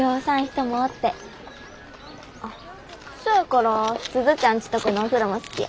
あっそやから鈴ちゃんちとこのお風呂も好きや。